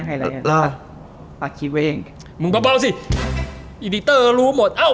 นะไฮไลท์ล่ะปักคิดไว้เองมึงเบาเบาสิอีดิเตอร์รู้หมดเอ้า